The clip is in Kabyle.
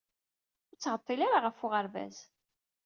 Ur ttɛeḍḍil ara ɣef uɣerbaz.